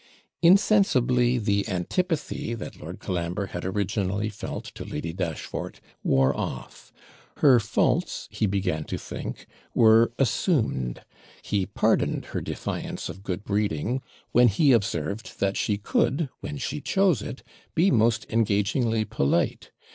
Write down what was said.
Insensibly the antipathy that Lord Colambre had originally felt to Lady Dashfort wore off; her faults, he began to think, were assumed; he pardoned her defiance of good breeding, when he observed that she could, when she chose it, be most engagingly polite.